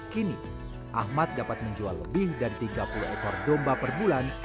kini ahmad dapat menjual lebih dari tiga puluh ekor domba per bulan